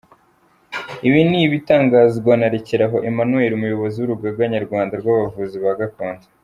Ibi ni ibitangazwa na Rekeraho Emmanuel, umuyobozi w’urugaga nyarwanda rw’abavuzi ba gakondo.